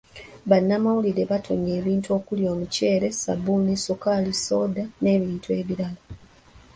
Bannamawulire batonye ebintu okuli; Omuceere, Ssabbuuni, ssukaali, ssooda n'ebintu ebirala .